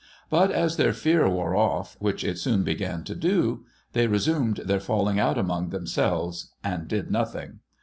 But, as their fear wore off, which it soon began to do, they resumed their falling out among themselves, and did nothing.